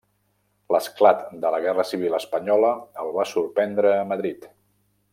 L'esclat de la guerra civil espanyola el va sorprendre a Madrid.